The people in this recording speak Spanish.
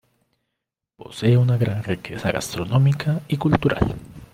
Posee una gran riqueza gastronómica y cultural.